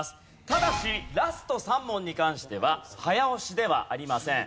ただしラスト３問に関しては早押しではありません。